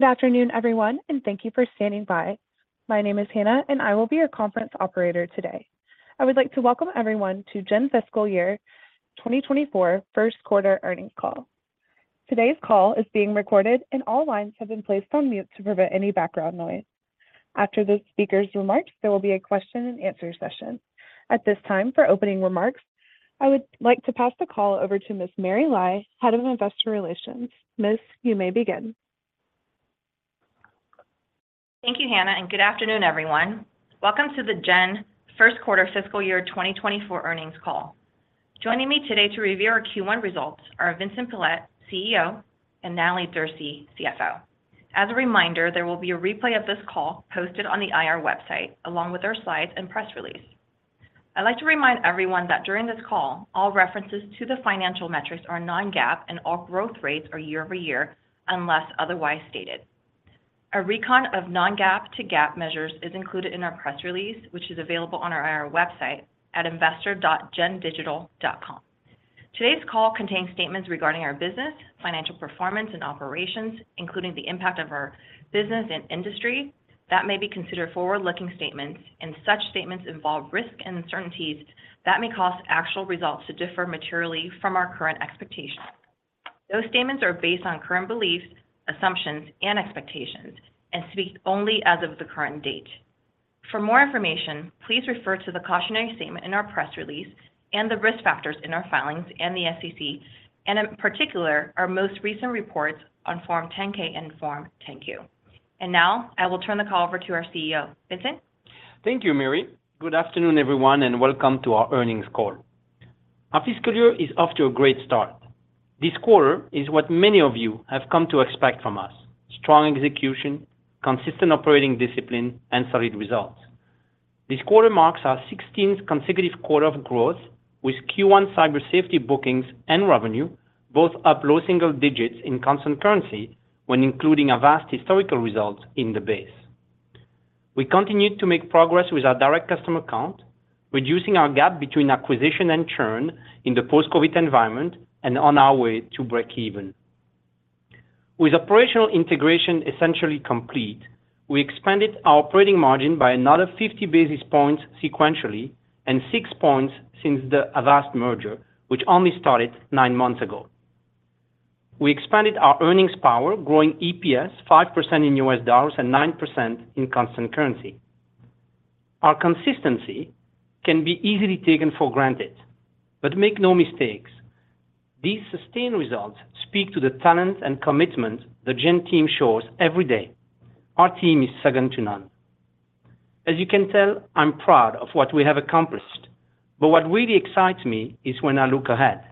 Good afternoon, everyone, and thank you for standing by. My name is Hannah, and I will be your conference operator today. I would like to welcome everyone to Gen Fiscal Year 2024 First Quarter Earnings Call. Today's call is being recorded, and all lines have been placed on mute to prevent any background noise. After the speaker's remarks, there will be a question-and-answer session. At this time, for opening remarks, I would like to pass the call over to Ms. Mary Lai, Head of Investor Relations. Miss, you may begin. Thank you, Hannah. Good afternoon, everyone. Welcome to the Gen First Quarter Fiscal Year 2024 earnings call. Joining me today to review our Q1 results are Vincent Pilette, CEO, and Natalie Derse, CFO. As a reminder, there will be a replay of this call posted on the IR website, along with our slides and press release. I'd like to remind everyone that during this call, all references to the financial metrics are non-GAAP, and all growth rates are year-over-year, unless otherwise stated. A recon of non-GAAP to GAAP measures is included in our press release, which is available on our website at investor.gendigital.com. Today's call contains statements regarding our business, financial performance, and operations, including the impact of our business and industry that may be considered forward-looking statements. Such statements involve risks and uncertainties that may cause actual results to differ materially from our current expectations. Those statements are based on current beliefs, assumptions, and expectations, and speak only as of the current date. For more information, please refer to the cautionary statement in our press release and the risk factors in our filings and the SEC, and in particular, our most recent reports on Form 10-K and Form 10-Q. Now, I will turn the call over to our CEO. Vincent? Thank you, Mary. Good afternoon, everyone, and welcome to our earnings call. Our fiscal year is off to a great start. This quarter is what many of you have come to expect from us: strong execution, consistent operating discipline, and solid results. This quarter marks our 16th consecutive quarter of growth, with Q1 cyber safety bookings and revenue both up low single digits in constant currency when including Avast historical results in the base. We continued to make progress with our direct customer count, reducing our gap between acquisition and churn in the post-COVID environment and on our way to breakeven. With operational integration essentially complete, we expanded our operating margin by another 50 basis points sequentially and 6 points since the Avast merger, which only started 9 months ago. We expanded our earnings power, growing EPS 5% in US dollars and 9% in constant currency. Our consistency can be easily taken for granted, but make no mistakes, these sustained results speak to the talent and commitment the Gen team shows every day. Our team is second to none. As you can tell, I'm proud of what we have accomplished, but what really excites me is when I look ahead.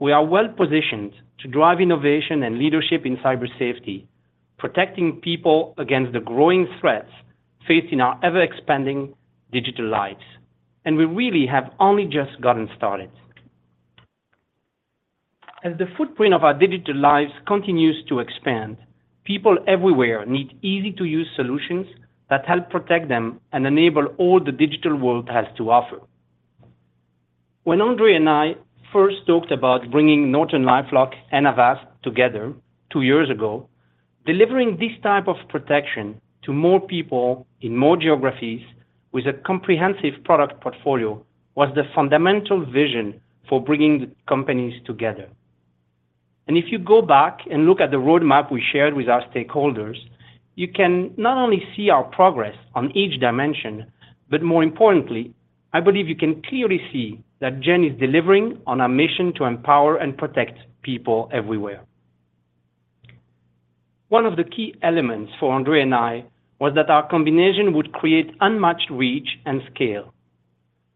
We are well-positioned to drive innovation and leadership in cyber safety, protecting people against the growing threats facing our ever-expanding digital lives, and we really have only just gotten started. As the footprint of our digital lives continues to expand, people everywhere need easy-to-use solutions that help protect them and enable all the digital world has to offer. When Andre and I first talked about bringing NortonLifeLock and Avast together two years ago, delivering this type of protection to more people in more geographies with a comprehensive product portfolio was the fundamental vision for bringing the companies together. If you go back and look at the roadmap we shared with our stakeholders, you can not only see our progress on each dimension, but more importantly, I believe you can clearly see that Gen is delivering on our mission to empower and protect people everywhere. One of the key elements for Andre and I was that our combination would create unmatched reach and scale.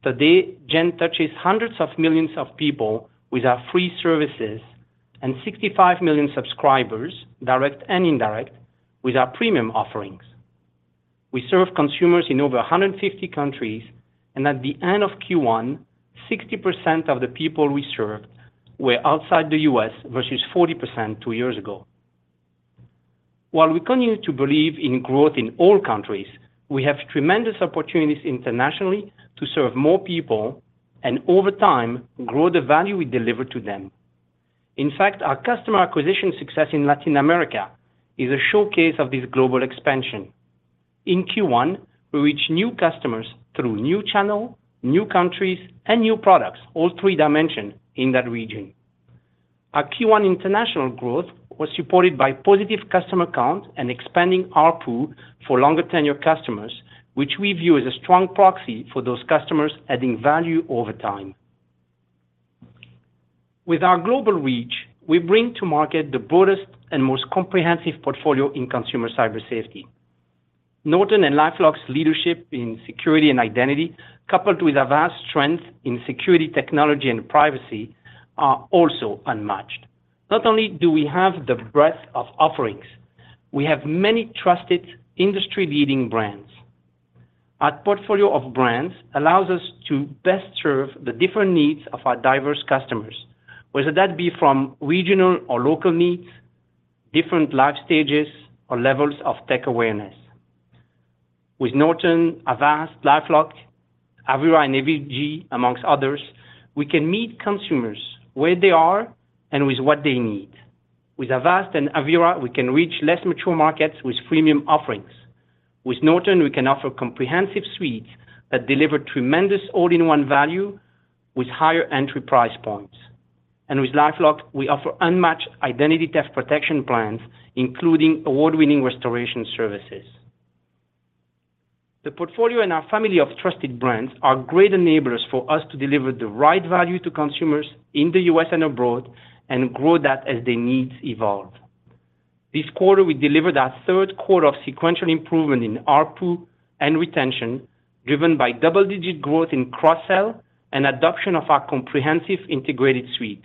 Today, Gen touches hundreds of millions of people with our free services and 65 million subscribers, direct and indirect, with our premium offerings. We serve consumers in over 150 countries, and at the end of Q1, 60% of the people we served were outside the U.S., versus 40% two years ago. While we continue to believe in growth in all countries, we have tremendous opportunities internationally to serve more people and over time, grow the value we deliver to them. In fact, our customer acquisition success in Latin America is a showcase of this global expansion. In Q1, we reached new customers through new channel, new countries, and new products, all three dimensions in that region. Our Q1 international growth was supported by positive customer count and expanding ARPU for longer-tenure customers, which we view as a strong proxy for those customers adding value over time. With our global reach, we bring to market the broadest and most comprehensive portfolio in consumer cyber safety. Norton and LifeLock's leadership in security and identity, coupled with Avast's strength in security, technology, and privacy, are also unmatched. Not only do we have the breadth of offerings, we have many trusted, industry-leading brands. Our portfolio of brands allows us to best serve the different needs of our diverse customers, whether that be from regional or local needs, different life stages, or levels of tech awareness. With Norton, Avast, LifeLock, Avira, and AVG, amongst others, we can meet consumers where they are and with what they need. With Avast and Avira, we can reach less mature markets with freemium offerings. With Norton, we can offer comprehensive suites that deliver tremendous all-in-one value with higher entry price points. With LifeLock, we offer unmatched identity theft protection plans, including award-winning restoration services. The portfolio and our family of trusted brands are great enablers for us to deliver the right value to consumers in the US and abroad, grow that as their needs evolve. This quarter, we delivered our third quarter of sequential improvement in ARPU and retention, driven by double-digit growth in cross-sell and adoption of our comprehensive integrated suite.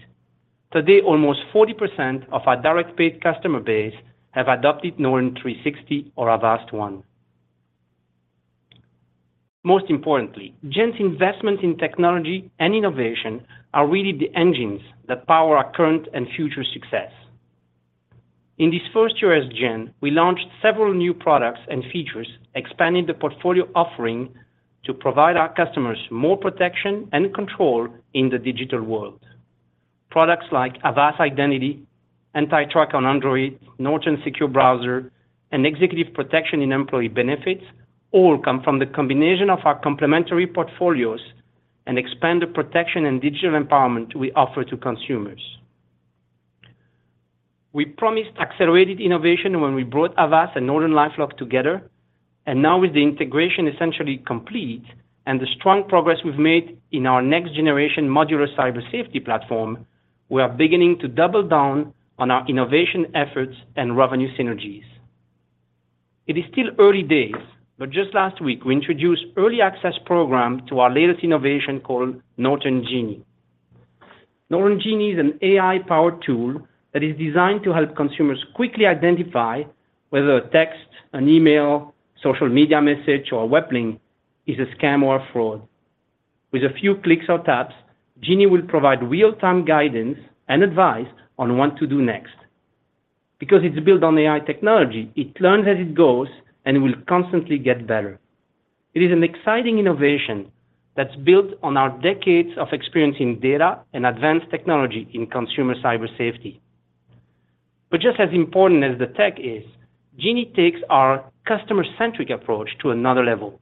Today, almost 40% of our direct paid customer base have adopted Norton 360 or Avast One. Most importantly, Gen's investment in technology and innovation are really the engines that power our current and future success. In this first year as Gen, we launched several new products and features, expanding the portfolio offering to provide our customers more protection and control in the digital world. Products like Avast Identity, AntiTrack on Android, Norton Secure Browser, and Executive Protection and Employee Benefits, all come from the combination of our complementary portfolios and expand the protection and digital empowerment we offer to consumers. We promised accelerated innovation when we brought Avast and NortonLifeLock together, and now with the integration essentially complete and the strong progress we've made in our next generation modular cyber safety platform, we are beginning to double down on our innovation efforts and revenue synergies. It is still early days, but just last week we introduced early access program to our latest innovation called Norton Genie. Norton Genie is an AI-powered tool that is designed to help consumers quickly identify whether a text, an email, social media message, or a web link is a scam or a fraud. With a few clicks or taps, Genie will provide real-time guidance and advice on what to do next. Because it's built on AI technology, it learns as it goes and will constantly get better. It is an exciting innovation that's built on our decades of experience in data and advanced technology in consumer cyber safety. Just as important as the tech is, Genie takes our customer-centric approach to another level.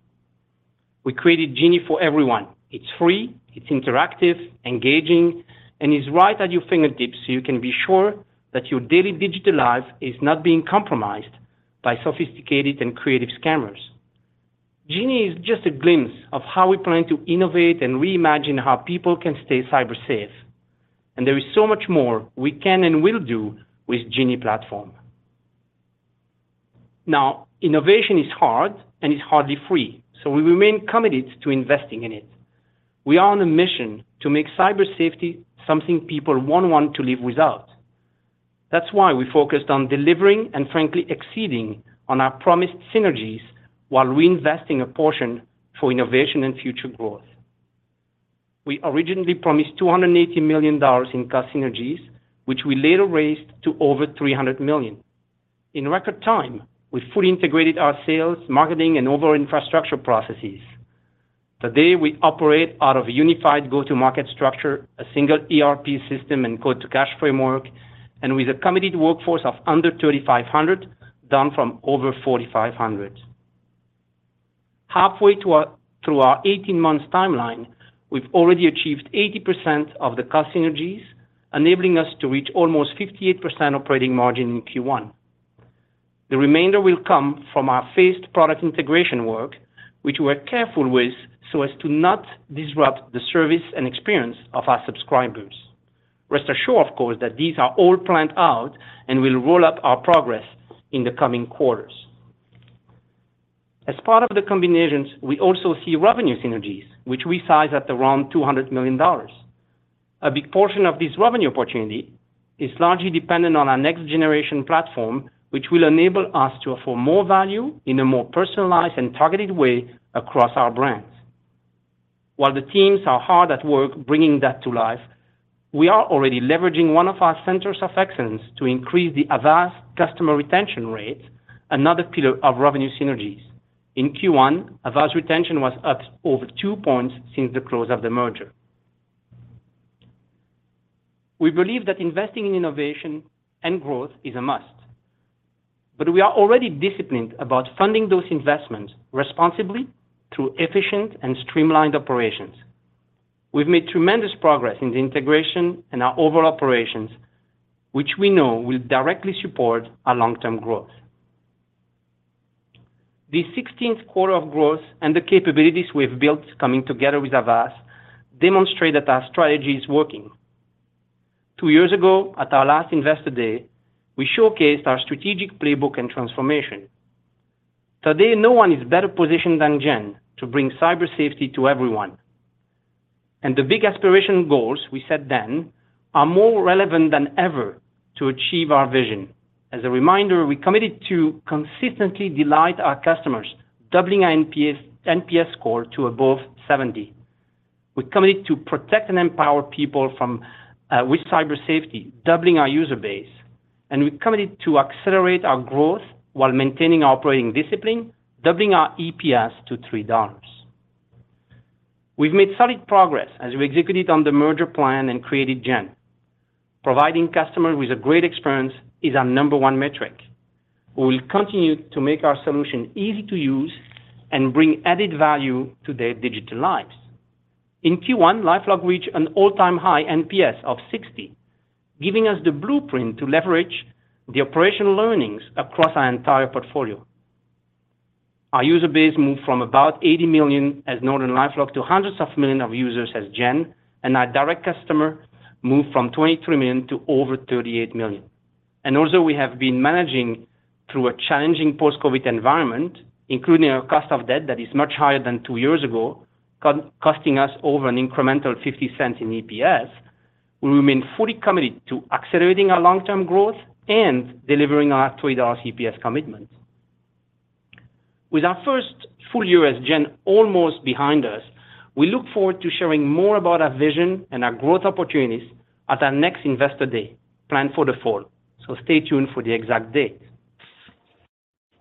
We created Genie for everyone. It's free, it's interactive, engaging, and is right at your fingertips, so you can be sure that your daily digital life is not being compromised by sophisticated and creative scammers. Genie is just a glimpse of how we plan to innovate and reimagine how people can stay cyber safe, and there is so much more we can and will do with Genie platform. Innovation is hard, and it's hardly free, so we remain committed to investing in it. We are on a mission to make cyber safety something people won't want to live without. That's why we focused on delivering and frankly exceeding on our promised synergies while reinvesting a portion for innovation and future growth. We originally promised $280 million in cost synergies, which we later raised to over $300 million. In record time, we fully integrated our sales, marketing, and overall infrastructure processes. Today, we operate out of a unified go-to-market structure, a single ERP system, and quote-to-cash framework, and with a committed workforce of under 3,500, down from over 4,500. Halfway through our 18-month timeline, we've already achieved 80% of the cost synergies, enabling us to reach almost 58% operating margin in Q1. The remainder will come from our phased product integration work, which we're careful with so as to not disrupt the service and experience of our subscribers. Rest assured, of course, that these are all planned out, and we'll roll out our progress in the coming quarters. As part of the combinations, we also see revenue synergies, which we size at around $200 million. A big portion of this revenue opportunity is largely dependent on our next generation platform, which will enable us to offer more value in a more personalized and targeted way across our brands. While the teams are hard at work bringing that to life, we are already leveraging one of our centers of excellence to increase the Avast customer retention rate, another pillar of revenue synergies. In Q1, Avast retention was up over two points since the close of the merger. We believe that investing in innovation and growth is a must. We are already disciplined about funding those investments responsibly through efficient and streamlined operations. We've made tremendous progress in the integration and our overall operations, which we know will directly support our long-term growth. This 16th quarter of growth and the capabilities we've built coming together with Avast demonstrate that our strategy is working. Two years ago, at our last Investor Day, we showcased our strategic playbook and transformation. Today, no one is better positioned than Gen to bring cyber safety to everyone. The big aspirational goals we set then are more relevant than ever to achieve our vision. As a reminder, we committed to consistently delight our customers, doubling our NPS, NPS score to above 70. We're committed to protect and empower people from, with cyber safety, doubling our user base. We're committed to accelerate our growth while maintaining our operating discipline, doubling our EPS to $3. We've made solid progress as we executed on the merger plan and created Gen. Providing customers with a great experience is our number one metric. We will continue to make our solution easy to use and bring added value to their digital lives. In Q1, LifeLock reached an all-time high NPS of 60, giving us the blueprint to leverage the operational learnings across our entire portfolio. Our user base moved from about 80 million as NortonLifeLock to hundreds of million of users as Gen, and our direct customer moved from 23 million to over 38 million. Also, we have been managing through a challenging post-COVID environment, including our cost of debt that is much higher than two years ago, costing us over an incremental $0.50 in EPS. We remain fully committed to accelerating our long-term growth and delivering our $3 EPS commitment. With our first full-year as Gen almost behind us, we look forward to sharing more about our vision and our growth opportunities at our next Investor Day, planned for the fall. Stay tuned for the exact date.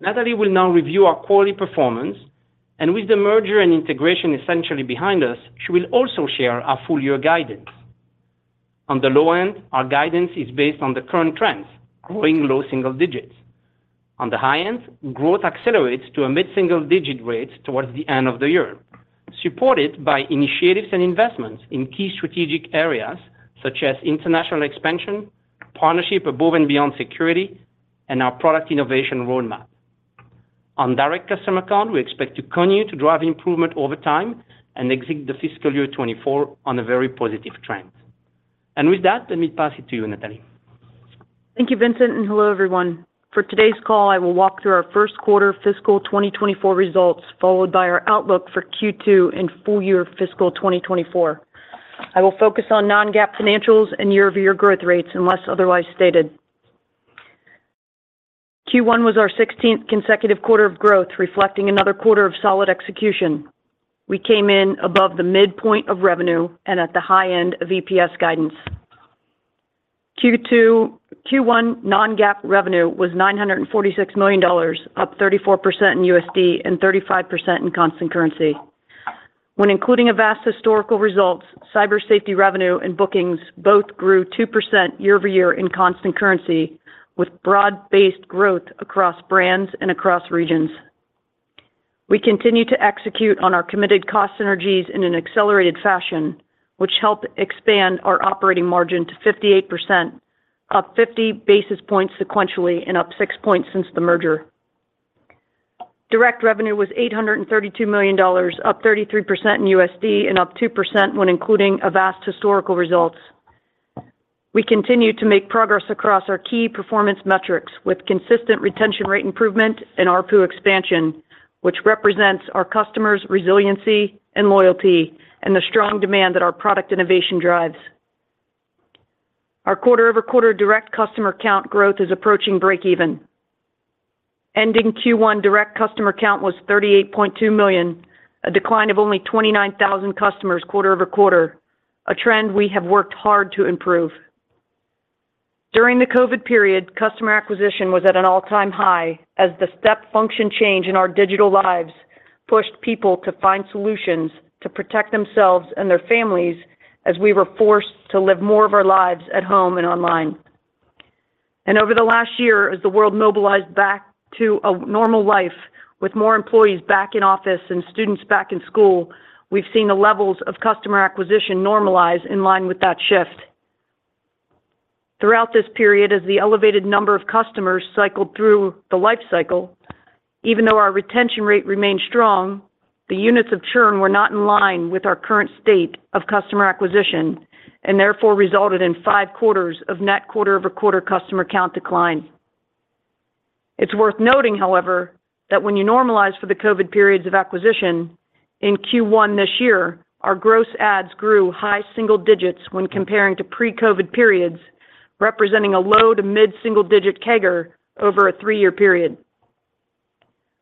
Natalie will now review our quarterly performance, and with the merger and integration essentially behind us, she will also share our full-year guidance. On the low end, our guidance is based on the current trends, growing low single digits. On the high end, growth accelerates to a mid-single-digit rate towards the end of the year, supported by initiatives and investments in key strategic areas such as international expansion, partnership above and beyond security, and our product innovation roadmap. On direct customer count, we expect to continue to drive improvement over time and exit the fiscal year 2024 on a very positive trend. With that, let me pass it to you, Natalie. Thank you, Vincent. Hello, everyone. For today's call, I will walk through our first quarter fiscal 2024 results, followed by our outlook for Q2 and full-year fiscal 2024. I will focus on non-GAAP financials and year-over-year growth rates, unless otherwise stated. Q1 was our 16th consecutive quarter of growth, reflecting another quarter of solid execution. We came in above the midpoint of revenue and at the high end of EPS guidance. Q1 non-GAAP revenue was $946 million, up 34% in USD and 35% in constant currency. When including Avast historical results, cyber safety revenue and bookings both grew 2% year-over-year in constant currency, with broad-based growth across brands and across regions. We continue to execute on our committed cost synergies in an accelerated fashion, which helped expand our operating margin to 58%, up 50 basis points sequentially and up 6 points since the merger. Direct revenue was $832 million, up 33% in USD and up 2% when including Avast historical results. We continue to make progress across our key performance metrics with consistent retention rate improvement and ARPU expansion, which represents our customers' resiliency and loyalty and the strong demand that our product innovation drives. Our quarter-over-quarter direct customer count growth is approaching breakeven. Ending Q1, direct customer count was 38.2 million, a decline of only 29,000 customers quarter-over-quarter, a trend we have worked hard to improve. During the COVID period, customer acquisition was at an all-time high, as the step function change in our digital lives pushed people to find solutions to protect themselves and their families as we were forced to live more of our lives at home and online. Over the last year, as the world mobilized back to a normal life, with more employees back in office and students back in school, we've seen the levels of customer acquisition normalize in line with that shift. Throughout this period, as the elevated number of customers cycled through the life cycle, even though our retention rate remained strong, the units of churn were not in line with our current state of customer acquisition, therefore resulted in five quarters of net quarter-over-quarter customer count decline. It's worth noting, however, that when you normalize for the COVID periods of acquisition, in Q1 this year, our gross adds grew high single digits when comparing to pre-COVID periods, representing a low to mid-single digit CAGR over a three-year period.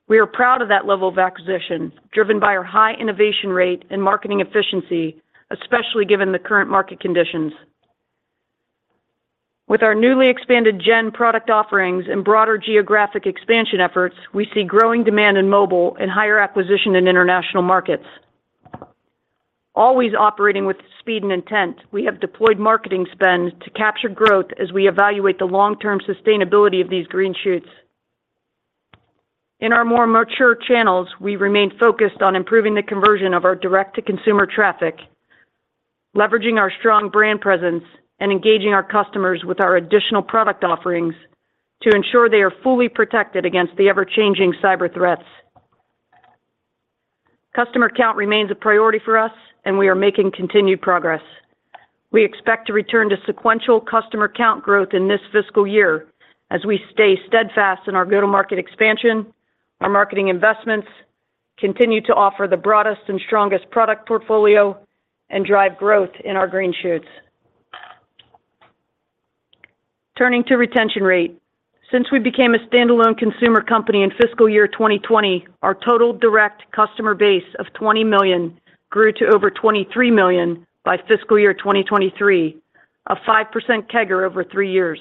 We are proud of that level of acquisition, driven by our high innovation rate and marketing efficiency, especially given the current market conditions. With our newly expanded Gen product offerings and broader geographic expansion efforts, we see growing demand in mobile and higher acquisition in international markets. Always operating with speed and intent, we have deployed marketing spend to capture growth as we evaluate the long-term sustainability of these green shoots. In our more mature channels, we remain focused on improving the conversion of our direct-to-consumer traffic, leveraging our strong brand presence, and engaging our customers with our additional product offerings to ensure they are fully protected against the ever-changing cyber threats. Customer count remains a priority for us, and we are making continued progress. We expect to return to sequential customer count growth in this fiscal year as we stay steadfast in our go-to-market expansion, our marketing investments, continue to offer the broadest and strongest product portfolio, and drive growth in our green shoots. Turning to retention rate. Since we became a standalone consumer company in fiscal year 2020, our total direct customer base of 20 million grew to over 23 million by fiscal year 2023, a 5% CAGR over three years.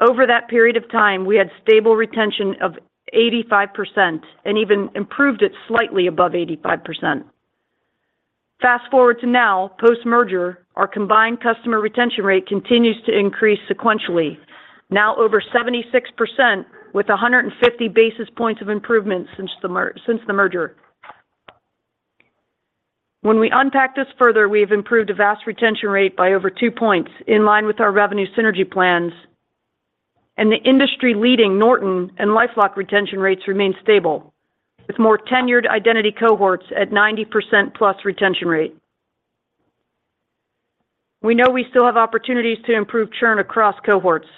Over that period of time, we had stable retention of 85% and even improved it slightly above 85%. Fast-forward to now, post-merger, our combined customer retention rate continues to increase sequentially. Now over 76%, with 150 basis points of improvement since the merger. When we unpack this further, we have improved Avast retention rate by over two points, in line with our revenue synergy plans, and the industry-leading Norton and LifeLock retention rates remain stable, with more tenured identity cohorts at 90%+ retention rate. We know we still have opportunities to improve churn across cohorts.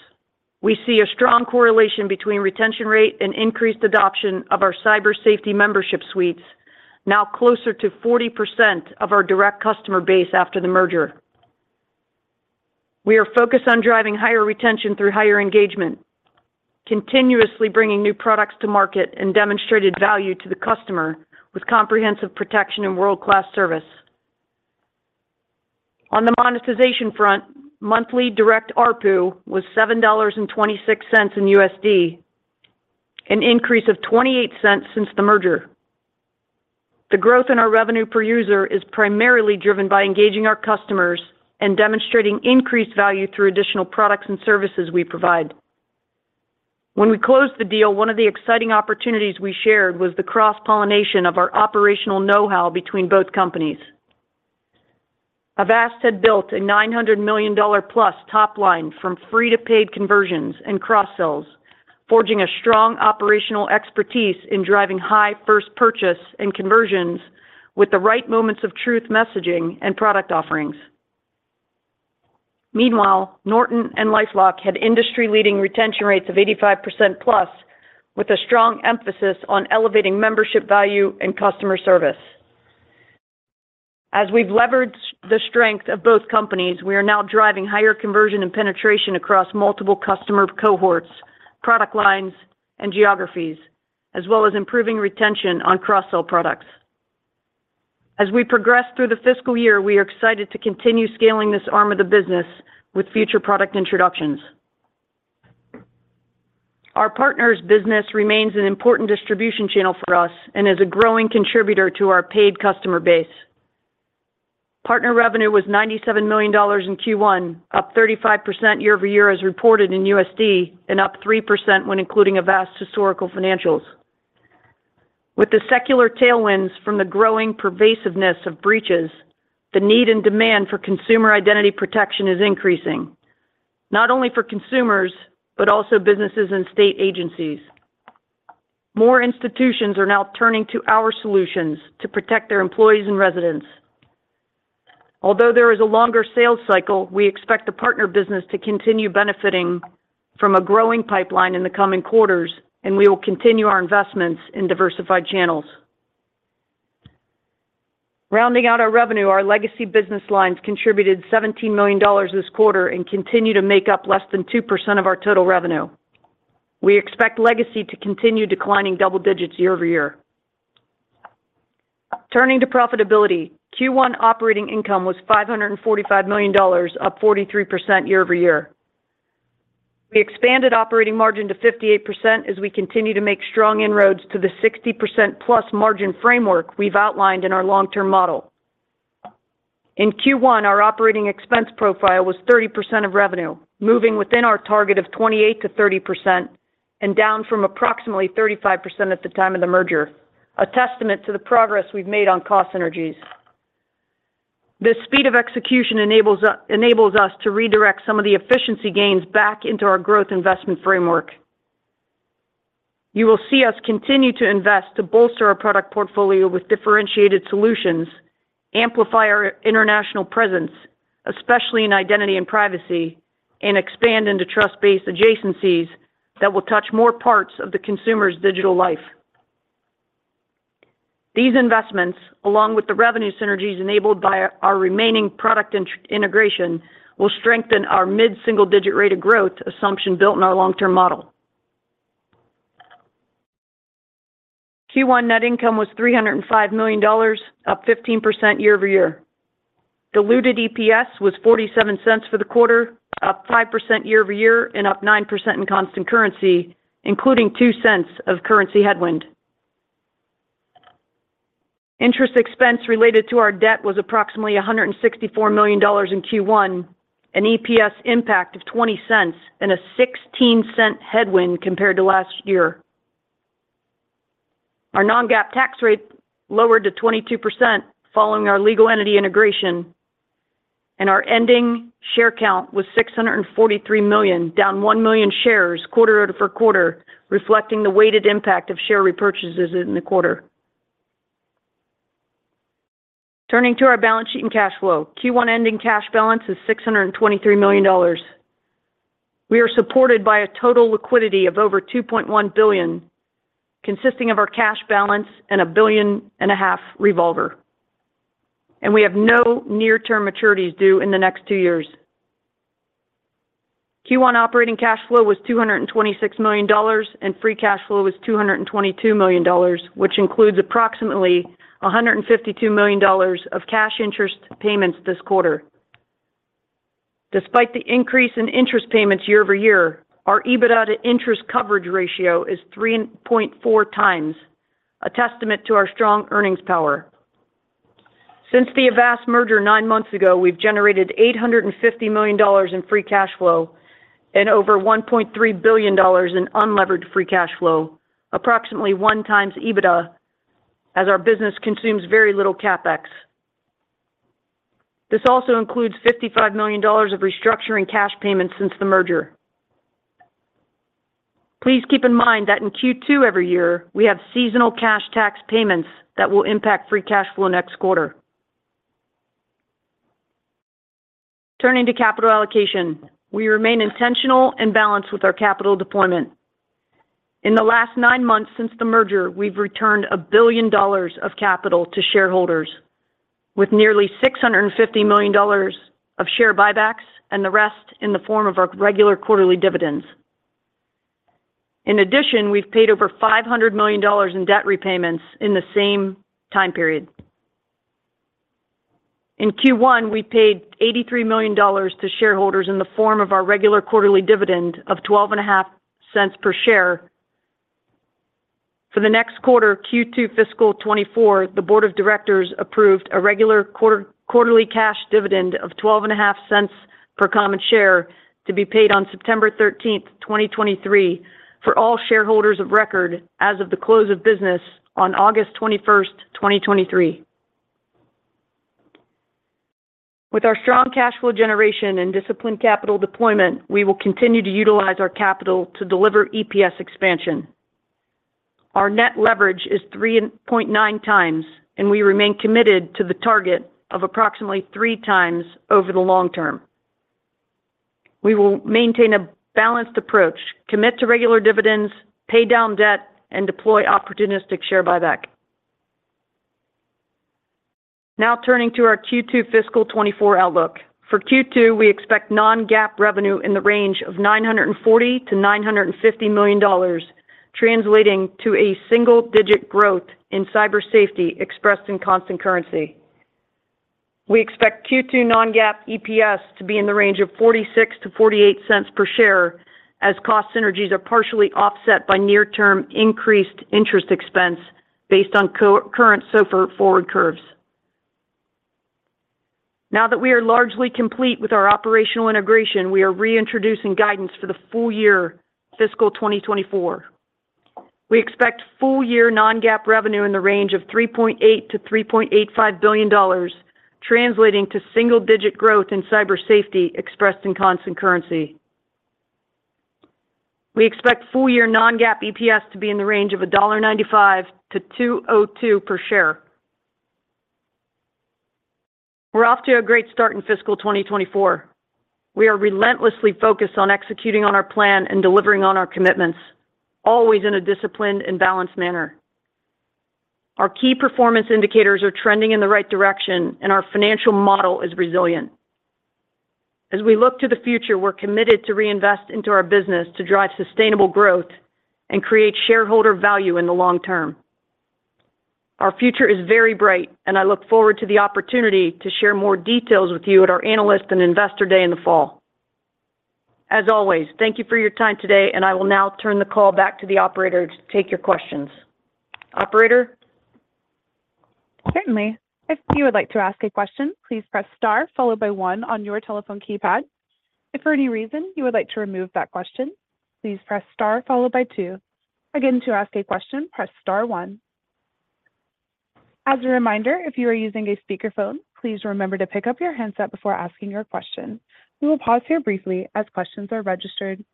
We see a strong correlation between retention rate and increased adoption of our cyber safety membership suites, now closer to 40% of our direct customer base after the merger. We are focused on driving higher retention through higher engagement, continuously bringing new products to market and demonstrated value to the customer with comprehensive protection and world-class service. On the monetization front, monthly direct ARPU was $7.26, an increase of $0.28 since the merger. The growth in our revenue per user is primarily driven by engaging our customers and demonstrating increased value through additional products and services we provide. When we closed the deal, one of the exciting opportunities we shared was the cross-pollination of our operational know-how between both companies. Avast had built a $900 million plus top line from free to paid conversions and cross-sells, forging a strong operational expertise in driving high first purchase and conversions with the right moments of truth, messaging, and product offerings. Meanwhile, Norton and LifeLock had industry-leading retention rates of 85%+ with a strong emphasis on elevating membership value and customer service. We've levered the strength of both companies, we are now driving higher conversion and penetration across multiple customer cohorts, product lines, and geographies, as well as improving retention on cross-sell products. We progress through the fiscal year, we are excited to continue scaling this arm of the business with future product introductions. Our partners business remains an important distribution channel for us and is a growing contributor to our paid customer base. Partner revenue was $97 million in Q1, up 35% year-over-year as reported in USD, and up 3% when including Avast historical financials. With the secular tailwinds from the growing pervasiveness of breaches, the need and demand for consumer identity protection is increasing, not only for consumers, but also businesses and state agencies. More institutions are now turning to our solutions to protect their employees and residents. Although there is a longer sales cycle, we expect the partner business to continue benefiting from a growing pipeline in the coming quarters, and we will continue our investments in diversified channels. Rounding out our revenue, our legacy business lines contributed $17 million this quarter and continue to make up less than 2% of our total revenue. We expect legacy to continue declining double digits year-over-year. Turning to profitability, Q1 operating income was $545 million, up 43% year-over-year. We expanded operating margin to 58% as we continue to make strong inroads to the 60%+ margin framework we've outlined in our long-term model. In Q1, our operating expense profile was 30% of revenue, moving within our target of 28%-30% and down from approximately 35% at the time of the merger, a testament to the progress we've made on cost synergies. This speed of execution enables us, enables us to redirect some of the efficiency gains back into our growth investment framework. You will see us continue to invest to bolster our product portfolio with differentiated solutions, amplify our international presence, especially in identity and privacy, and expand into trust-based adjacencies that will touch more parts of the consumer's digital life. These investments, along with the revenue synergies enabled by our remaining product integration, will strengthen our mid-single-digit rate of growth assumption built in our long-term model. Q1 net income was $305 million, up 15% year-over-year. Diluted EPS was $0.47 for the quarter, up 5% year-over-year and up 9% in constant currency, including $0.02 of currency headwind. Interest expense related to our debt was approximately $164 million in Q1, an EPS impact of $0.20 and a $0.16 headwind compared to last year. Our non-GAAP tax rate lowered to 22% following our legal entity integration, and our ending share count was 643 million, down 1 million shares quarter-over-quarter, reflecting the weighted impact of share repurchases in the quarter. Turning to our balance sheet and cash flow. Q1 ending cash balance is $623 million. We are supported by a total liquidity of over $2.1 billion, consisting of our cash balance and a $1.5 billion revolver. We have no near-term maturities due in the next two years. Q1 operating cash flow was $226 million, and free cash flow was $222 million, which includes approximately $152 million of cash interest payments this quarter. Despite the increase in interest payments year-over-year, our EBITDA interest coverage ratio is 3.4 times, a testament to our strong earnings power. Since the Avast merger 9 months ago, we've generated $850 million in free cash flow and over $1 billion in unlevered free cash flow, approximately 1x EBITDA, as our business consumes very little CapEx. This also includes $55 million of restructuring cash payments since the merger. Please keep in mind that in Q2 every year, we have seasonal cash tax payments that will impact free cash flow next quarter. Turning to capital allocation, we remain intentional and balanced with our capital deployment. In the last 9 months since the merger, we've returned $1 billion of capital to shareholders, with nearly $650 million of share buybacks and the rest in the form of our regular quarterly dividends. In addition, we've paid over $500 million in debt repayments in the same time period. In Q1, we paid $83 million to shareholders in the form of our regular quarterly dividend of $0.125 per share. For the next quarter, Q2 fiscal 2024, the board of directors approved a regular quarterly cash dividend of $0.125 per common share to be paid on September 13, 2023, for all shareholders of record as of the close of business on August 21, 2023. With our strong cash flow generation and disciplined capital deployment, we will continue to utilize our capital to deliver EPS expansion. Our net leverage is 3.9 times, and we remain committed to the target of approximately 3 times over the long term. We will maintain a balanced approach, commit to regular dividends, pay down debt, and deploy opportunistic share buyback. Now, turning to our Q2 fiscal 2024 outlook. For Q2, we expect non-GAAP revenue in the range of $940-950 million, translating to a single-digit growth in cyber safety expressed in constant currency. We expect Q2 non-GAAP EPS to be in the range of $0.46-0.48 per share, as cost synergies are partially offset by near-term increased interest expense based on current SOFR forward curves. Now that we are largely complete with our operational integration, we are reintroducing guidance for the full-year, fiscal 2024. We expect full-year non-GAAP revenue in the range of $3.8-3.85 billion, translating to single-digit growth in cyber safety expressed in constant currency. We expect full-year non-GAAP EPS to be in the range of $1.95-2.02 per share. We're off to a great start in fiscal 2024. We are relentlessly focused on executing on our plan and delivering on our commitments, always in a disciplined and balanced manner. Our key performance indicators are trending in the right direction, and our financial model is resilient. As we look to the future, we're committed to reinvest into our business to drive sustainable growth and create shareholder value in the long term. Our future is very bright, and I look forward to the opportunity to share more details with you at our Analyst and Investor Day in the fall. As always, thank you for your time today, and I will now turn the call back to the operator to take your questions. Operator? Certainly. If you would like to ask a question, please press star followed by one on your telephone keypad. If for any reason you would like to remove that question, please press star followed by two. Again, to ask a question, press star one. As a reminder, if you are using a speakerphone, please remember to pick up your handset before asking your question. We will pause here briefly as questions are registered.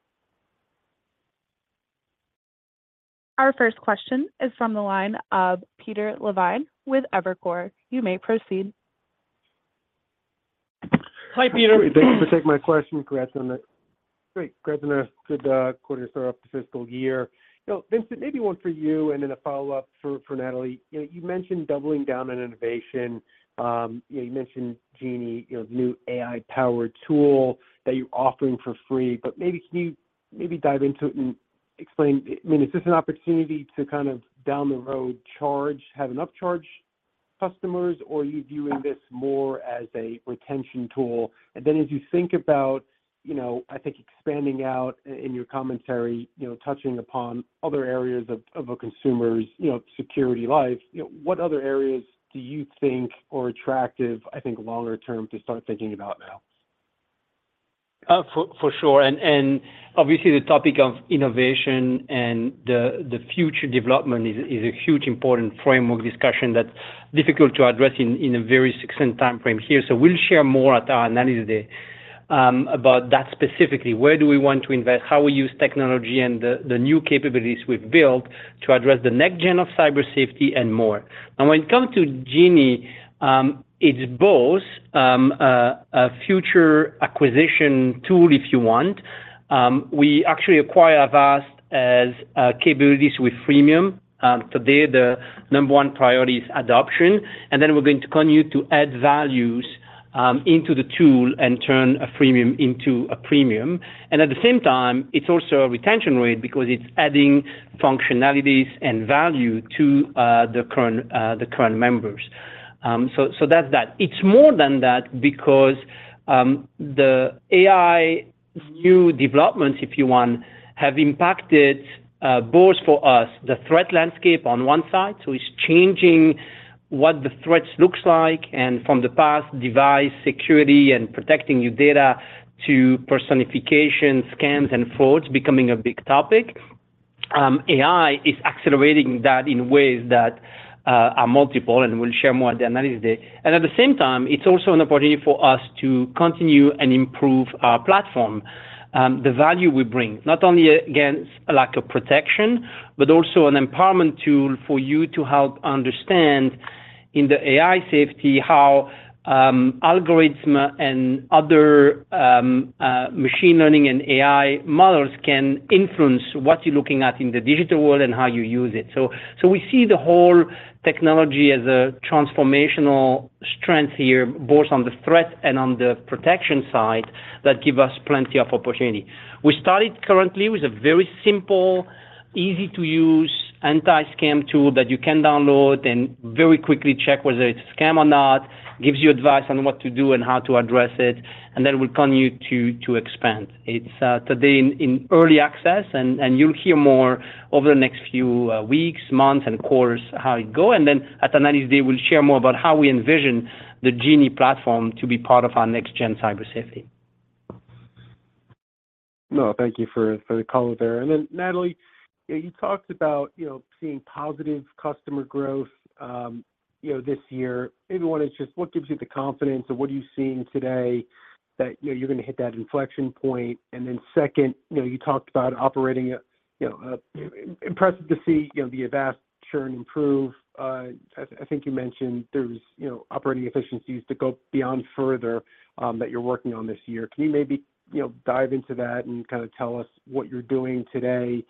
Our first question is from the line of Peter Levine with Evercore. You may proceed. Hi, Peter. Thanks for taking my question. Congrats on a good quarter start off the fiscal year. You know, Vincent, maybe one for you and then a follow-up for, for Natalie. You know, you mentioned doubling down on innovation. You know, you mentioned Genie, you know, the new AI-powered tool that you're offering for free, but maybe can you maybe dive into it and explain, I mean, is this an opportunity to kind of down the road charge, have an upcharge customers, or are you viewing this more as a retention tool? As you think about, you know, I think expanding out in your commentary, you know, touching upon other areas of, of a consumer's, you know, security life, you know, what other areas do you think are attractive, I think, longer term to start thinking about now? For, for sure, obviously, the topic of innovation and the future development is a huge important framework discussion that's difficult to address in a very succinct timeframe here. We'll share more at our Analyst Day about that specifically. Where do we want to invest, how we use technology and the new capabilities we've built to address the next-gen of cyber safety and more. When it comes to Genie, it's both a future acquisition tool, if you want. We actually acquire Avast as capabilities with freemium. Today, the number one priority is adoption, and then we're going to continue to add values into the tool and turn a freemium into a premium. At the same time, it's also a retention rate because it's adding functionalities and value to the current, the current members. So that's that. It's more than that because the AI new developments, if you want, have impacted both for us, the threat landscape on one side, so it's changing what the threats looks like, and from the past, device security and protecting your data to personification, scams, and frauds becoming a big topic. AI is accelerating that in ways that are multiple, and we'll share more at the Analyst Day. At the same time, it's also an opportunity for us to continue and improve our platform. The value we bring, not only against a lack of protection, but also an empowerment tool for you to help understand in the AI safety, how algorithm and other machine learning and AI models can influence what you're looking at in the digital world and how you use it. We see the whole technology as a transformational strength here, both on the threat and on the protection side, that give us plenty of opportunity. We started currently with a very simple, easy-to-use anti-scam tool that you can download and very quickly check whether it's a scam or not, gives you advice on what to do and how to address it, and then we'll continue to expand. It's today in early access, and you'll hear more over the next few weeks, months, and quarters, how it go. Then at the Analyst Day, we'll share more about how we envision the Genie platform to be part of our next gen cyber safety. No, thank you for, for the call there. Natalie, you talked about, you know, seeing positive customer growth, you know, this year. Maybe one is just what gives you the confidence or what are you seeing today that, you know, you're going to hit that inflection point? Second, you know, you talked about operating it, you know, impressive to see, you know, the Avast churn improve. I, I think you mentioned there was, you know, operating efficiencies to go beyond further, that you're working on this year. Can you maybe, you know, dive into that and kind of tell us what you're doing today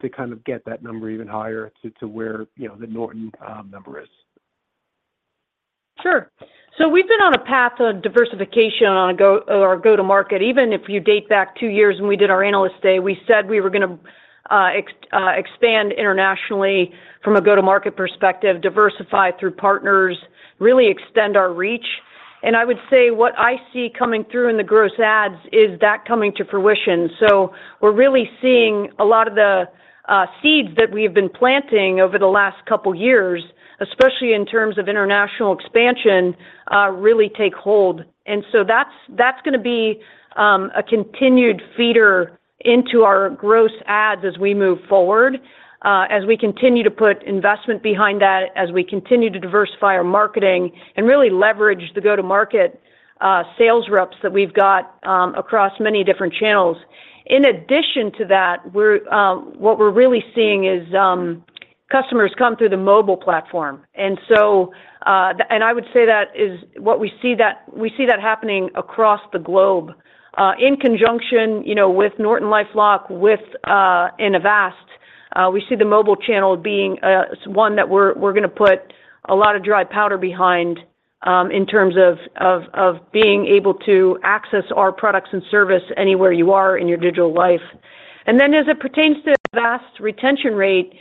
to kind of get that number even higher to, to where, you know, the Norton, number is? Sure. We've been on a path of diversification on a go or a go-to-market. Even if you date back two years when we did our Analyst Day, we said we were gonna expand internationally from a go-to-market perspective, diversify through partners, really extend our reach. I would say what I see coming through in the gross adds is that coming to fruition. We're really seeing a lot of the seeds that we've been planting over the last couple of years, especially in terms of international expansion, really take hold. That's, that's gonna be a continued feeder into our gross adds as we move forward, as we continue to put investment behind that, as we continue to diversify our marketing and really leverage the go-to-market sales reps that we've got across many different channels. In addition to that, we're, what we're really seeing is, customers come through the mobile platform. I would say that is what we see that we see that happening across the globe. In conjunction, you know, with NortonLifeLock, with, and Avast, we see the mobile channel being, one that we're, we're gonna put a lot of dry powder behind, in terms of, of, of being able to access our products and service anywhere you are in your digital life. As it pertains to Avast retention rate,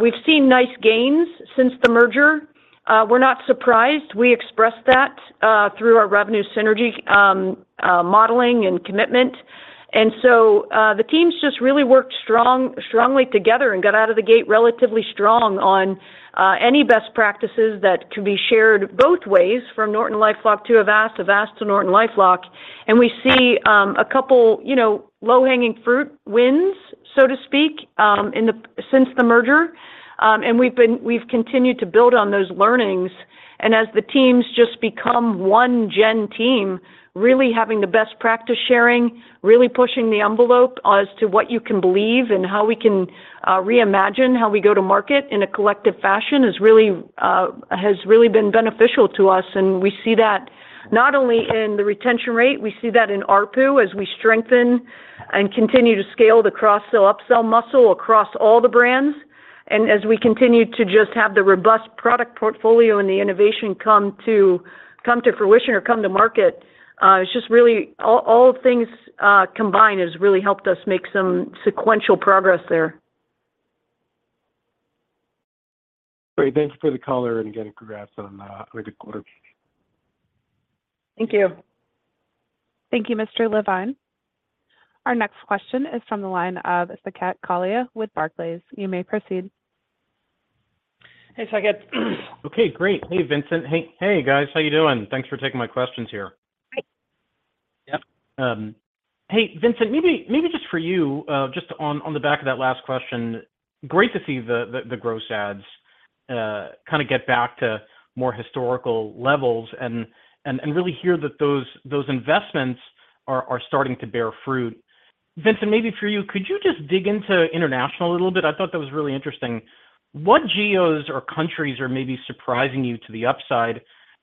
we've seen nice gains since the merger. We're not surprised. We expressed that, through our revenue synergy, modeling and commitment. The teams just really worked strongly together and got out of the gate relatively strong on any best practices that could be shared both ways, from NortonLifeLock to Avast, Avast to NortonLifeLock. We see a couple, you know, low-hanging fruit wins, so to speak, since the merger. We've continued to build on those learnings. As the teams just become one Gen team, really having the best practice sharing, really pushing the envelope as to what you can believe and how we can reimagine, how we go to market in a collective fashion, is really has really been beneficial to us. We see that not only in the retention rate, we see that in ARPU, as we strengthen and continue to scale the cross-sell, upsell muscle across all the brands. as we continue to just have the robust product portfolio and the innovation come to fruition or come to market, it's just really, all, all things combined, has really helped us make some sequential progress there. Great. Thanks for the call and again, congrats on with the quarter. Thank you. Thank you, Mr. Levine. Our next question is from the line of Saket Kalia with Barclays. You may proceed. Hey, Saket. Okay, great. Hey, Vincent. Hey, hey, guys, how you doing? Thanks for taking my questions here. Hi. Yep. Hey, Vincent, maybe, maybe just for you, just on, on the back of that last question, great to see the, the, the gross adds, kinda get back to more historical levels and, and, and really hear that those, those investments are, are starting to bear fruit. Vincent, maybe for you, could you just dig into international a little bit? I thought that was really interesting. What geos or countries are maybe surprising you to the upside?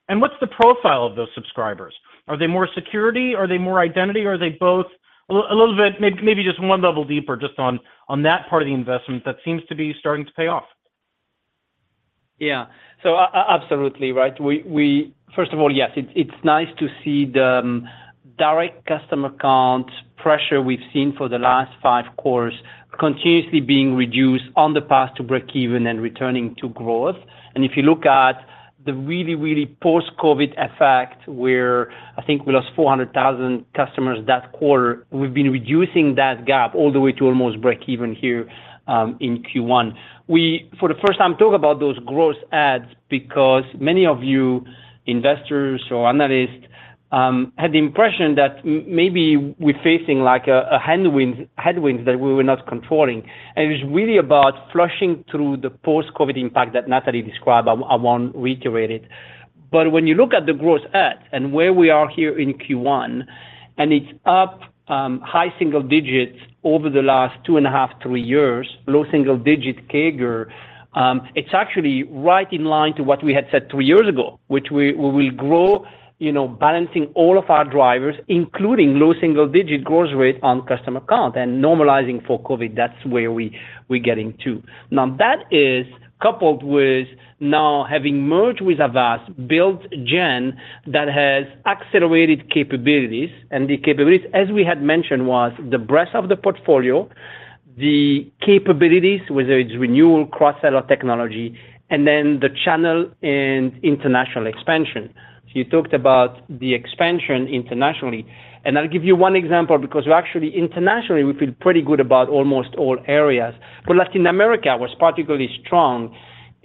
What's the profile of those subscribers? Are they more security? Are they more identity, or are they both? A little, a little bit, maybe, maybe just one level deeper just on, on that part of the investment that seems to be starting to pay off. Yeah. Absolutely right. We, first of all, yes, it's, it's nice to see the direct customer count pressure we've seen for the last five quarters continuously being reduced on the path to breakeven and returning to growth. If you look at the really, really post-COVID effect, where I think we lost 400,000 customers that quarter, we've been reducing that gap all the way to almost breakeven here in Q1. We, for the first time, talk about those gross adds because many of you investors or analysts had the impression that maybe we're facing like a, a headwind, headwinds that we were not controlling. It was really about flushing through the post-COVID impact that Natalie described. I, I won't reiterate it. When you look at the growth adds and where we are here in Q1, and it's up, high single digits over the last 2.5, three years, low single digit CAGR, it's actually right in line to what we had said two years ago, which we, we will grow, you know, balancing all of our drivers, including low single digit growth rate on customer count and normalizing for COVID. That's where we, we're getting to. Now, that is coupled with now having merged with Avast, built Gen that has accelerated capabilities, and the capabilities, as we had mentioned, was the breadth of the portfolio, the capabilities, whether it's renewal, cross-sell or technology, and then the channel and international expansion. You talked about the expansion internationally, and I'll give you 1 example, because actually internationally, we feel pretty good about almost all areas. Latin America was particularly strong,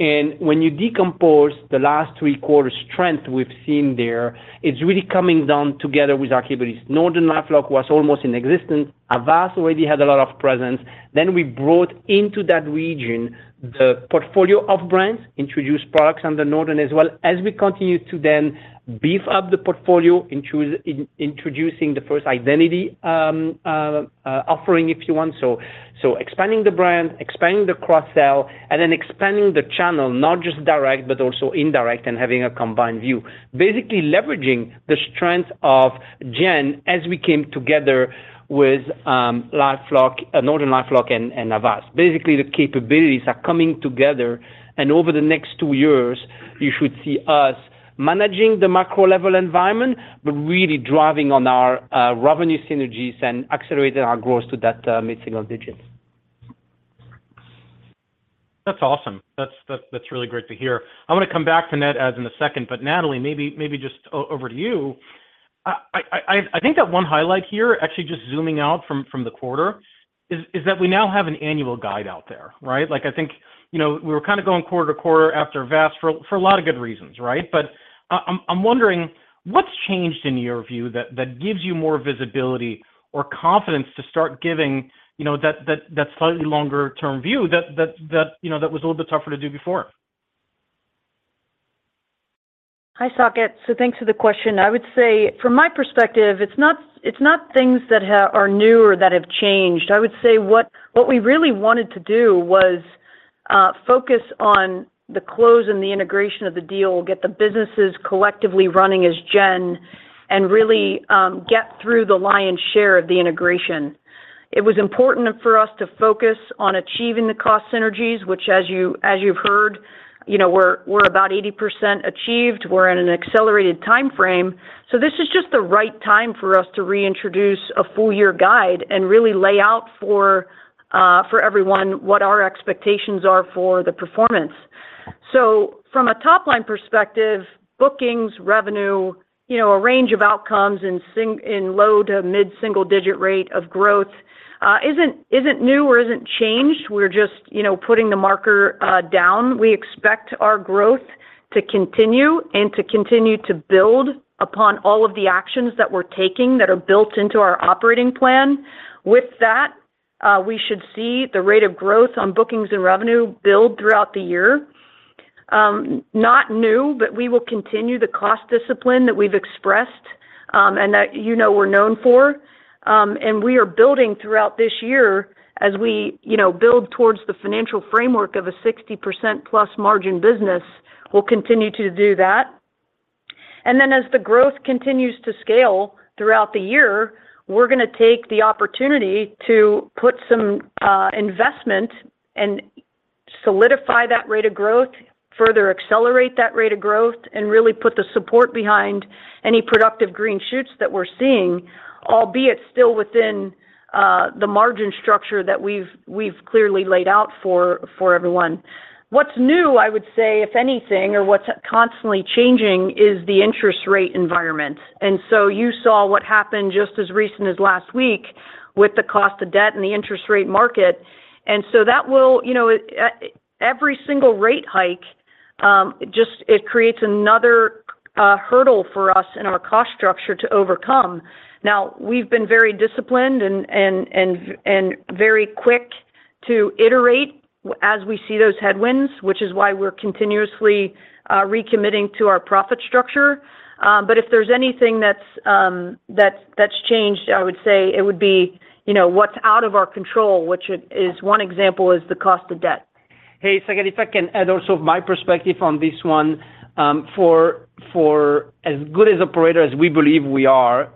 and when you decompose the last three quarters' trend we've seen there, it's really coming down together with our capabilities. NortonLifeLock was almost in existence. Avast already had a lot of presence. Then we brought into that region the portfolio of brands, introduced products under Norton as well as we continue to then beef up the portfolio, introducing the first identity offering, if you want. Expanding the brand, expanding the cross-sell, and then expanding the channel, not just direct, but also indirect and having a combined view. Basically leveraging the strength of Gen as we came together with LifeLock, NortonLifeLock and Avast. Basically, the capabilities are coming together, and over the next two years, you should see us managing the macro level environment, but really driving on our revenue synergies and accelerating our growth to that mid-single digits. That's awesome. That's, that's, that's really great to hear. I want to come back to that as in a second, Natalie, maybe, maybe just over to you. I think that one highlight here, actually just zooming out from, from the quarter is, is that we now have an annual guide out there, right? Like, I think, you know, we were kind of going quarter-to-quarter after Avast for, for a lot of good reasons, right? I'm, I'm wondering, what's changed in your view, that, that gives you more visibility or confidence to start giving, you know, that, that, that slightly longer term view that, that, that, you know, that was a little bit tougher to do before? Hi, Saket. Thanks for the question. I would say from my perspective, it's not, it's not things that are new or that have changed. I would say what, what we really wanted to do was focus on the close and the integration of the deal, get the businesses collectively running as Gen and really get through the lion's share of the integration. It was important for us to focus on achieving the cost synergies, which as you, as you've heard, you know, we're, we're about 80% achieved. We're in an accelerated timeframe. This is just the right time for us to reintroduce a full-year guide and really lay out for everyone what our expectations are for the performance. From a top-line perspective, bookings, revenue, you know, a range of outcomes in low to mid-single digit rate of growth, isn't, isn't new or isn't changed. We're just, you know, putting the marker down. We expect our growth to continue and to continue to build upon all of the actions that we're taking that are built into our operating plan. With that, we should see the rate of growth on bookings and revenue build throughout the year. Not new, but we will continue the cost discipline that we've expressed, and that, you know, we're known for. We are building throughout this year as we, you know, build towards the financial framework of a 60%+ margin business. We'll continue to do that. As the growth continues to scale throughout the year, we're gonna take the opportunity to put some investment and solidify that rate of growth, further accelerate that rate of growth, and really put the support behind any productive green shoots that we're seeing, albeit still within the margin structure that we've, we've clearly laid out for, for everyone. What's new, I would say, if anything, or what's constantly changing is the interest rate environment. You saw what happened just as recent as last week with the cost of debt and the interest rate market. That will, you know, every single rate hike, just it creates another hurdle for us in our cost structure to overcome. We've been very disciplined and very quick to iterate as we see those headwinds, which is why we're continuously recommitting to our profit structure. If there's anything that's changed, I would say it would be, you know, what's out of our control, which it is one example, is the cost of debt. Hey, if I can add also my perspective on this one, for, for as good as operator as we believe we are,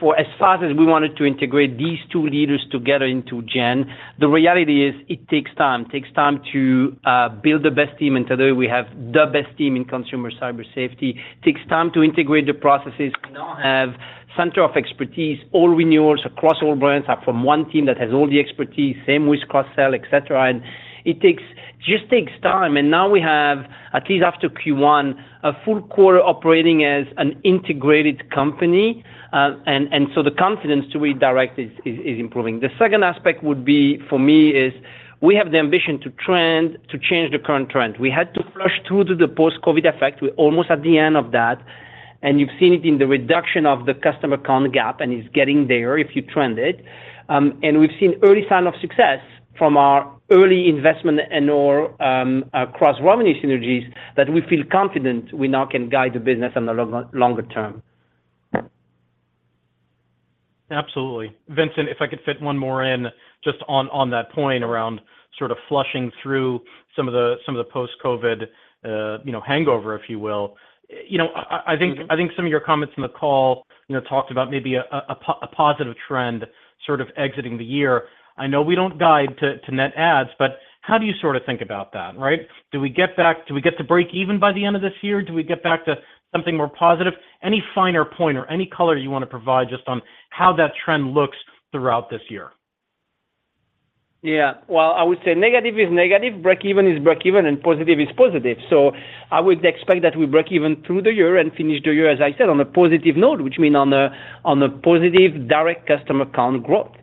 for as fast as we wanted to integrate these two leaders together into Gen, the reality is, it takes time. Takes time to build the best team, today we have the best team in consumer cyber safety. Takes time to integrate the processes. We now have center of expertise, all renewals across all brands are from one team that has all the expertise, same with cross-sell, et cetera. It takes, just takes time. Now we have, at least after Q1, a full-quarter operating as an integrated company. The confidence to redirect is, is, is improving. The second aspect would be, for me, is we have the ambition to change the current trend. We had to flush through to the post-COVID effect. We're almost at the end of that. You've seen it in the reduction of the customer count gap, and it's getting there if you trend it. We've seen early sign of success from our early investment and/or across revenue synergies, that we feel confident we now can guide the business on the long, longer term. Absolutely. Vincent, if I could fit one more in, just on, on that point around sort of flushing through some of the, some of the post-COVID, you know, hangover, if you will. Mm-hmm. I think some of your comments on the call, you know, talked about maybe a positive trend sort of exiting the year. I know we don't guide to net adds, but how do you sort of think about that, right? Do we get to break even by the end of this year? Do we get back to something more positive? Any finer point or any color you wanna provide just on how that trend looks throughout this year? Yeah. Well, I would say negative is negative, break even is break even, and positive is positive. I would expect that we break even through the year and finish the year, as I said, on a positive note, which mean on a positive direct customer count growth.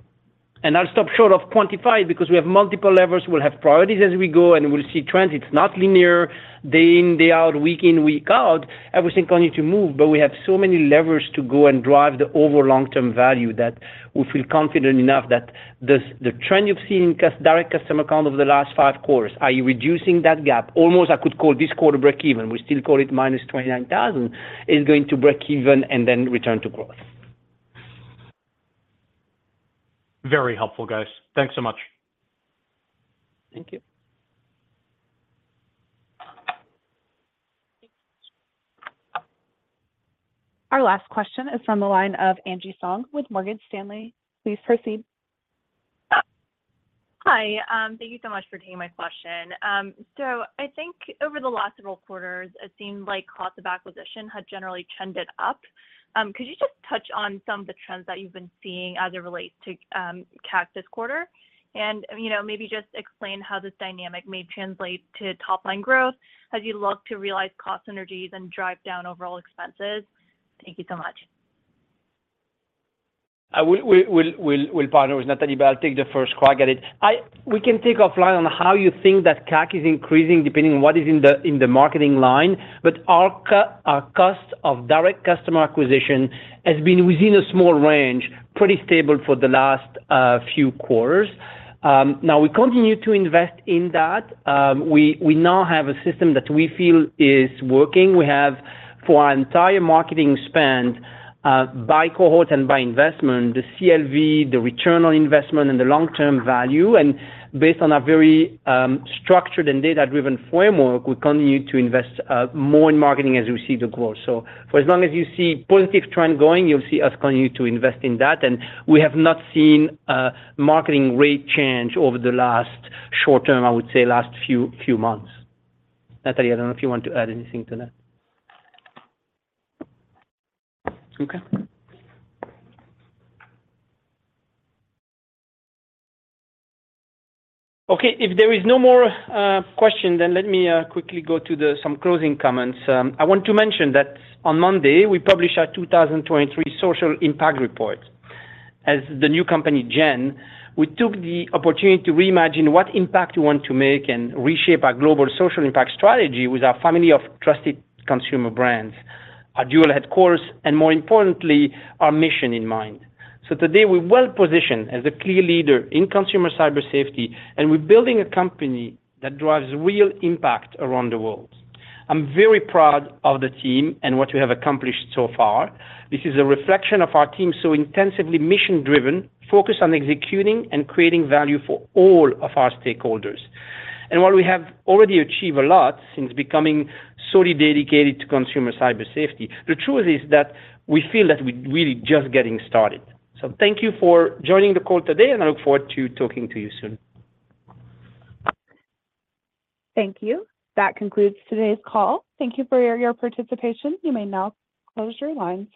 I'll stop short of quantify because we have multiple levers. We'll have priorities as we go, and we'll see trends. It's not linear, day in, day out, week in, week out, everything continue to move. We have so many levers to go and drive the over long-term value, that we feel confident enough that the trend you've seen in direct customer count over the last 5 quarters, are you reducing that gap? Almost, I could call this quarter break even. We still call it -29,000, is going to break even and then return to growth. Very helpful, guys. Thanks so much. Thank you. Our last question is from the line of Angie Song with Morgan Stanley. Please proceed. Hi, thank you so much for taking my question. I think over the last several quarters, it seemed like cost of acquisition had generally trended up. Could you just touch on some of the trends that you've been seeing as it relates to CAC this quarter? You know, maybe just explain how this dynamic may translate to top line growth as you look to realize cost synergies and drive down overall expenses. Thank you so much. I will, we'll partner with Natalie, but I'll take the first crack at it. We can take offline on how you think that CAC is increasing, depending on what is in the marketing line. But our cost of direct customer acquisition has been within a small range, pretty stable for the last few quarters. Now, we now have a system that we feel is working. We have, for our entire marketing spend, by cohort and by investment, the CLV, the return on investment, and the long-term value. Based on a very structured and data-driven framework, we continue to invest more in marketing as we see the growth. For as long as you see positive trend going, you'll see us continue to invest in that. We have not seen a marketing rate change over the last short term, I would say last few, few months. Natalie, I don't know if you want to add anything to that? Okay. Okay, if there is no more question, then let me quickly go to some closing comments. I want to mention that on Monday, we published our 2023 Social Impact Report. As the new company, Gen, we took the opportunity to reimagine what impact we want to make and reshape our global social impact strategy with our family of trusted consumer brands, our dual headquarters, and more importantly, our mission in mind. Today, we're well positioned as a clear leader in consumer cyber safety, and we're building a company that drives real impact around the world. I'm very proud of the team and what we have accomplished so far. This is a reflection of our team, so intensively mission-driven, focused on executing and creating value for all of our stakeholders. While we have already achieved a lot since becoming solely dedicated to consumer cybersecurity, the truth is that we feel that we're really just getting started. Thank you for joining the call today, and I look forward to talking to you soon. Thank you. That concludes today's call. Thank you for your participation. You may now close your lines.